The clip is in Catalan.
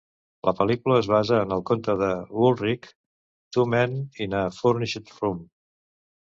La pel·lícula es basa en el conte de Woolrich "Two Men in a Furnished Room".